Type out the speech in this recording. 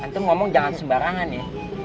nanti ngomong jangan sembarangan ya